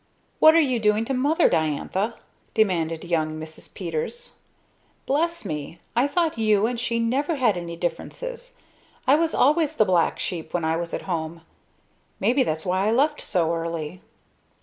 "What are you doing to Mother, Diantha?" demanded young Mrs. Peters. "Bless me! I thought you and she never had any differences! I was always the black sheep, when I was at home. Maybe that's why I left so early!"